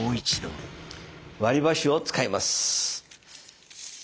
割りばしを使います。